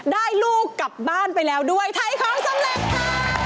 ลูกกลับบ้านไปแล้วด้วยไทยของสำเร็จค่ะ